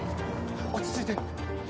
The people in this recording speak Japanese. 落ち着いて。